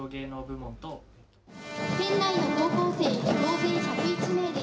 県内の高校生総勢１０１名です。